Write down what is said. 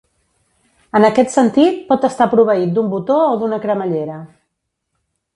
En aquest sentit, pot estar proveït d'un botó o d'una cremallera.